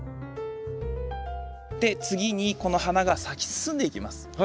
で次にこの花が咲き進んでいきます。